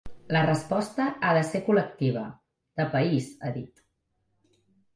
La resposta ha de ser col·lectiva, de país, ha dit.